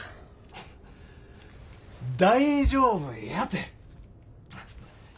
大丈夫やて。